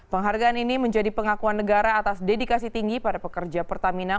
penghargaan ini menjadi pengakuan negara atas dedikasi tinggi pada pekerja pertamina